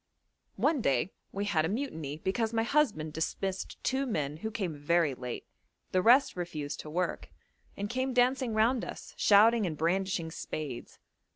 One day we had a mutiny because my husband dismissed two men who came very late; the rest refused to work, and came dancing round us, shouting and brandishing spades.